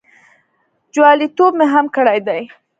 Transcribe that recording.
جوالیتوب مې هم کړی دی.